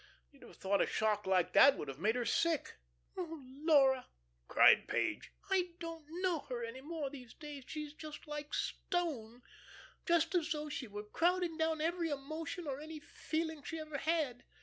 You'd have thought a shock like that would have made her sick." "Oh! Laura," cried Page. "I don't know her any more these days, she is just like stone just as though she were crowding down every emotion or any feeling she ever had.